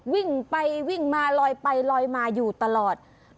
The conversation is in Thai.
วิ่งไปวิ่งมาลอยไปลอยมาอยู่ตลอด